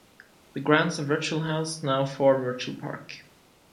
The grounds of Ruchill House now form Ruchill Park.